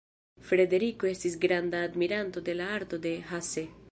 Frederiko estis granda admiranto de la arto de Hasse.